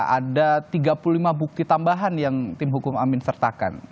ada tiga puluh lima bukti tambahan yang tim hukum amin sertakan